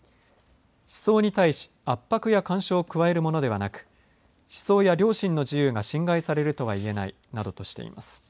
思想に対し圧迫や干渉を加えるものではなく思想や良心の自由が侵害されるとは言えないなどとしています。